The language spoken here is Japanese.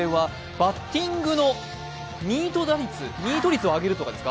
バッティングのミート打率、ミート率を上げるとかですか？